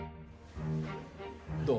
どう？